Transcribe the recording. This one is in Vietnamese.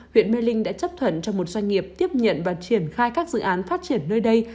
huyện mê linh đã chấp thuận cho một doanh nghiệp tiếp nhận và triển khai các dự án phát triển nơi đây